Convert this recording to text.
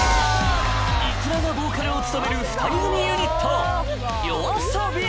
ｉｋｕｒａがボーカルを務める２人組ユニットＹＯＡＳＯＢＩ